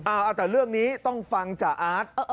เอาแต่เรื่องนี้ต้องฟังจ่าอาร์ต